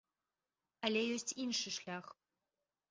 Але ёсць іншы шлях.